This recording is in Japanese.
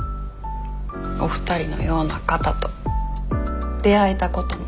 お二人のような方と出会えたことも。